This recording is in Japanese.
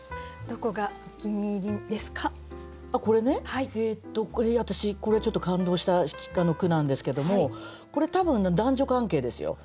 これね私これちょっと感動した句なんですけどもこれ多分男女関係ですよ。